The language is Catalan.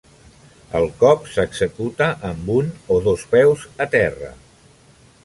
El cop s'executa amb un o dos peus a terra.